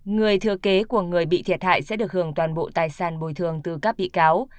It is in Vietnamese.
người thừa kế của người bị thiệt hại sẽ được hưởng toàn bộ tài sản bồi thường từ các bị cáo